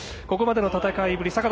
ここまでの戦いぶり